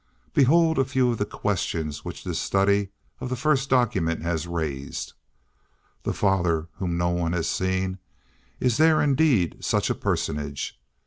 Behold a few of the questions which this study of the first documents has raised.—The Father, whom no one has seen, is there indeed such a personage?